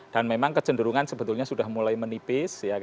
dan memang kecenderungan sebetulnya sudah mulai menipis